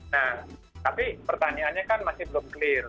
nah tapi pertanyaannya kan masih belum clear